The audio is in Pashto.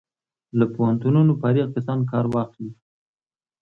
له پوهنتونونو فارغ کسان کار واخلي.